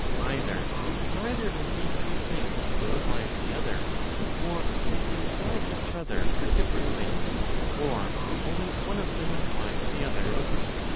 Either, neither of these two things implies the other, or they imply each other reciprocally, or only one of them implies the other.